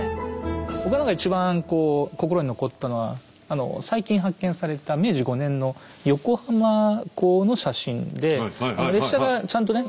僕は何か一番こう心に残ったのは最近発見された明治５年の横浜港の写真で列車がちゃんとね